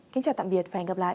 kính chào tạm biệt và hẹn gặp lại